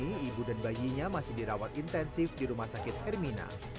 kini ibu dan bayinya masih dirawat intensif di rumah sakit hermina